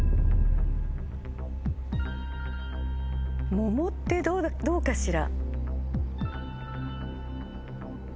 モモってどうかしら。